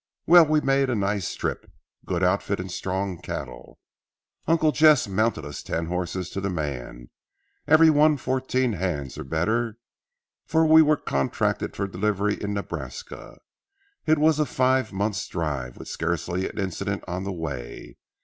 "Well, we had a nice trip, good outfit and strong cattle. Uncle Jess mounted us ten horses to the man, every one fourteen hands or better, for we were contracted for delivery in Nebraska. It was a five months' drive with scarcely an incident on the way.